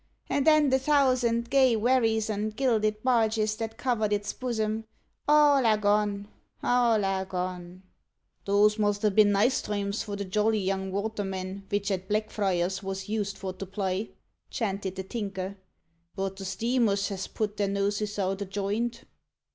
And then the thousand gay wherries and gilded barges that covered its bosom all are gone all are gone!" "Those must ha' been nice times for the jolly young vatermen vich at Black friars wos used for to ply," chanted the Tinker; "but the steamers has put their noses out o' joint."